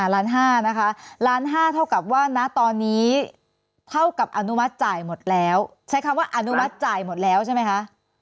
นะคะล้าน๕เท่ากับว่าณตอนนี้เท่ากับอนุมัติจ่ายหมดแล้วใช้คำว่าอนุมัติจ่ายหมดแล้วใช่ไหมคะ